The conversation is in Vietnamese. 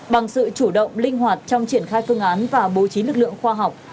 bằng sự chủ động linh hoạt trong triển khai phương án và bố trí lực lượng khoa học